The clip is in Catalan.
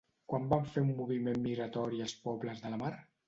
Quan van fer un moviment migratori els pobles de la mar?